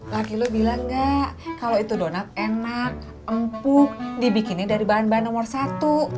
laki lu bilang gak kalau itu donat enak empuk dibikinnya dari bahan bahan nomor satu